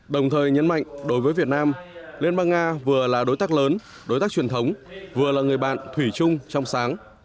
đồng thời nhấn mạnh đối với việt nam liên bang nga vừa là đối tác lớn đối tác truyền thống vừa là người bạn thủy chung trong sáng